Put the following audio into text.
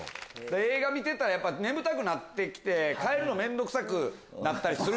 映画見てたら眠たくなって来て帰るの面倒くさくなったりする。